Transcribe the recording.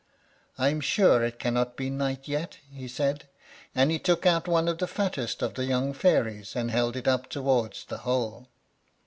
"I am sure it cannot be night yet," he said; and he took out one of the fattest of the young fairies, and held it up towards the hole.